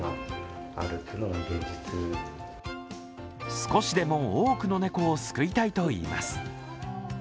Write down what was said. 少しでも多くの猫を救いたいといいます。